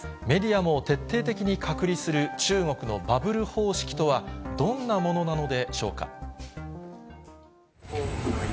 メディアも徹底的に隔離する中国のバブル方式とは、どんなものなのでしょうか。